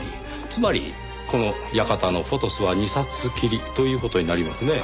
つまりこの館の『フォトス』は２冊きりという事になりますね。